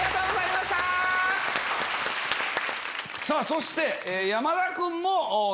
そして山田君も。